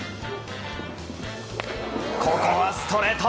ここはストレート。